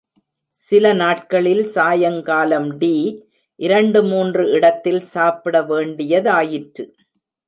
சில நாட்களில் சாயங்காலம் டீ, இரண்டு மூன்று இடத்தில் சாப்பிட வேண்டிய தாயிற்று.